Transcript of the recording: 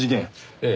ええ。